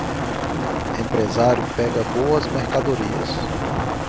Empresário pega boas mercadorias